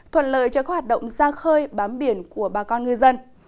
thuận lợi cho các hoạt động ra khơi bám biển của bà con ngư dân